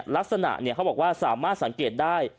ลักษณะเขาบอกว่าสามารถสังเกตได้